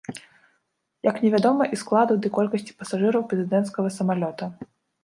Як невядома і складу ды колькасці пасажыраў прэзідэнцкага самалёта.